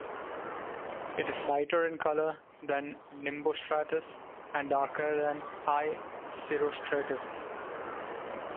It is lighter in color than nimbostratus and darker than high cirrostratus.